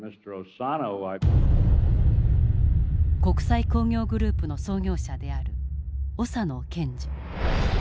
国際興業グループの創業者である小佐野賢治。